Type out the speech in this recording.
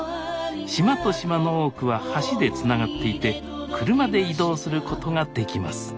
島と島の多くは橋でつながっていて車で移動することができます